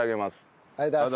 ありがとうございます。